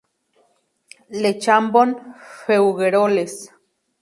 Le Chambon-Feugerolles